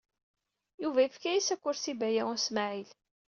Yuba yefka-as akersi i Baya U Smaɛil.